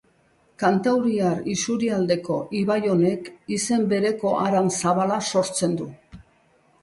Kantauriar isurialdeko ibai honek izen bereko haran zabala sortzen du.